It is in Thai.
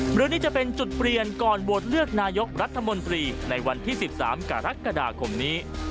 หรือนี่จะเป็นจุดเปลี่ยนก่อนโหวตเลือกนายกรัฐมนตรีในวันที่๑๓กรกฎาคมนี้